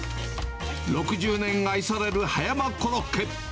６０年愛される葉山コロッケ。